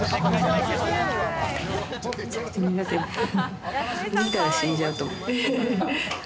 めちゃくちゃ苦手、見たら死んじゃうと思う。